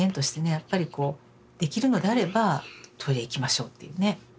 やっぱりこうできるのであればトイレ行きましょうっていうね。